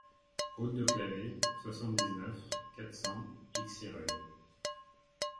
Route de Clavé, soixante-dix-neuf, quatre cents Exireuil